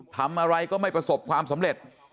ทำอะไรก็ไม่ประสบความสำเร็จ